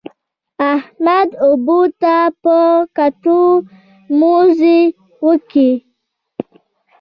احمد اوبو ته په کتو؛ موزې وکښې.